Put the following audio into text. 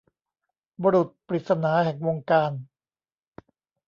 บุรุษปริศนาแห่งวงการ